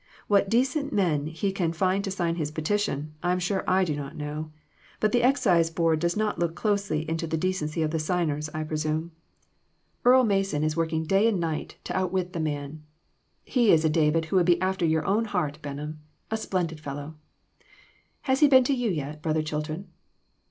What decent men he can find to sign his petition, I'm sure I do not know; but the Excise Board does not look closely into the decency of the signers, I presume. Earle Mason is working day and night to outwit the EMBARRASSING QUESTIONS. 32! man. He is a ' David ' who would be after your own heart, Benham. A splendid fellow. Has he been to you yet, Brother Chilton